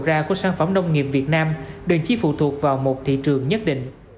điều đầu ra của sản phẩm nông nghiệp việt nam đơn chi phụ thuộc vào một thị trường nhất định